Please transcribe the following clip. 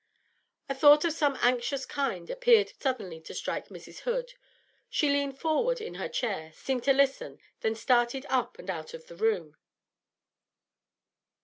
A thought of some anxious kind appeared suddenly to strike Mrs. Hood; she leaned forward in her chair, seemed to listen, then started up and out of the room.